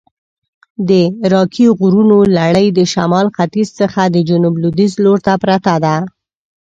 د راکي غرونو لړي د شمال ختیځ څخه د جنوب لویدیځ لورته پرته ده.